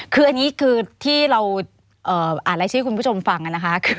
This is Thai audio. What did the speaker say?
คืออันนี้คือที่เราอ่านรายชื่อให้คุณผู้ชมฟังนะคะ